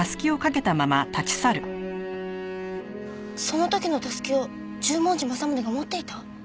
その時のたすきを十文字政宗が持っていた？